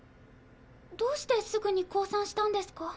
どうしてすぐに降参したんですか？